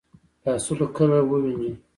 لاسونه کله ووینځو؟